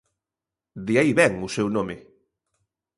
De aí vén o seu nome.